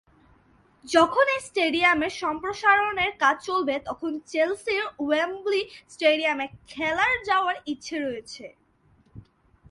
যখন এই স্টেডিয়ামের সম্প্রসারণের কাজ চলবে, তখন চেলসির ওয়েম্বলি স্টেডিয়ামে খেলার যাওয়ার ইচ্ছা রয়েছে।